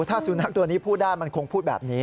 ถ้าสุนัขตัวนี้พูดได้มันคงพูดแบบนี้